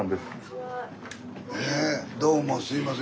どうもすいません。